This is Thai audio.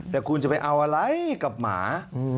แต่คุณจะไปเอาอะไรกับหมา